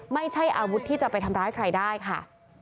ไม่ใช่อาวุธที่จะไปทำร้ายใครได้ค่ะ